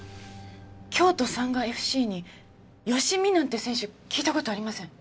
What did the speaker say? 京都サンガＦ．Ｃ．に「ヨシミ」なんて選手聞いた事ありません。